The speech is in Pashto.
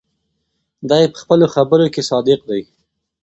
دی په خپلو خبرو کې صادق دی.